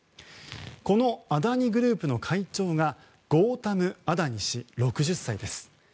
このアダニ・グループの会長がゴータム・アダニ氏、６０歳。